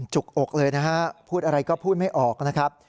จุกอกเลยนะฮะพูดอะไรก็พูดไม่ออกนะครับ